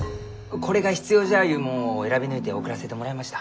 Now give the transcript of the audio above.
これが必要じゃゆうもんを選び抜いて送らせてもらいました。